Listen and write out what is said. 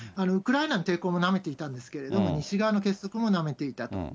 ウクライナの抵抗もなめていたんですけれども、西側の結束もなめていたと。